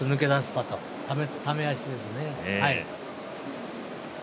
ため脚ですね。